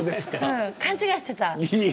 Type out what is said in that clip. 勘違いしてた。